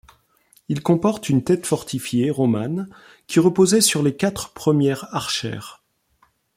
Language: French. Il comporte une tête fortifiée romane qui reposait sur les quatre premières archères.